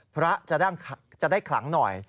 พระจะได้ขลังหน่อย